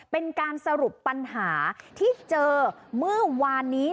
เป็นการสรุปปัญหาที่เจอเมื่อวานนี้